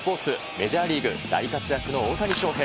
メジャーリーグ、大活躍の大谷翔平。